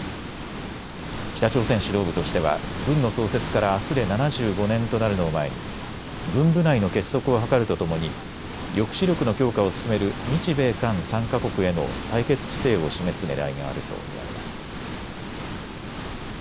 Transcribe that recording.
北朝鮮指導部としては軍の創設からあすで７５年となるのを前に軍部内の結束を図るとともに抑止力の強化を進める日米韓３か国への対決姿勢を示すねらいがあると見られます。